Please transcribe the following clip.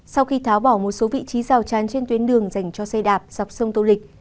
sau khi tháo bỏ một số vị trí rào chắn trên tuyến đường dành cho xe đạp dọc sông tô lịch